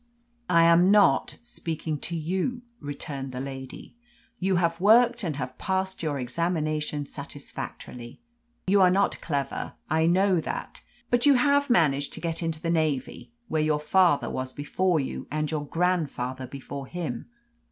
"I am not speaking to you," returned the lady. "You have worked and have passed your examination satisfactorily. You are not clever I know that; but you have managed to get into the Navy, where your father was before you, and your grandfather before him.